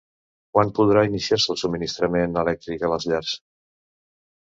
Quan podrà iniciar-se el subministrament elèctric a les llars?